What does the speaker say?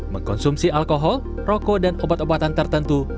mengkonsumsi alkohol rokok dan obat obatan tertentu